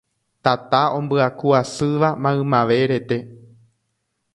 Tata ombyaku asýva maymave rete